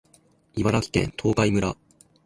茨城県東海村